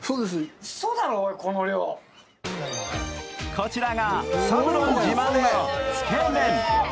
こちらがサブロン自慢のつけ麺。